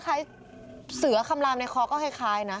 เนี่ยเสือคำลามในคอลก็คล้ายน้ำ